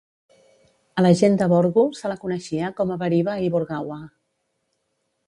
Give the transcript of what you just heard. A la gent de Borgu se la coneixia com a Bariba i Borgawa.